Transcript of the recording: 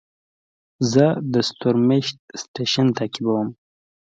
زه د ستورمېشت سټېشن تعقیبوم.